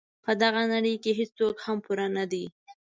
په دغه نړۍ کې هیڅوک هم پوره نه دي.